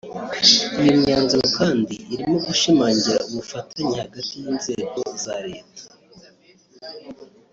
Iyo myanzuro kandi irimo ‘gushimangira ubufatanye hagati y’Inzego za Leta